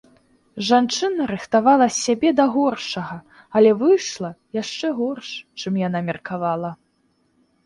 Жанчына рыхтавала сябе да горшага, але выйшла яшчэ горш, чым яна меркавала.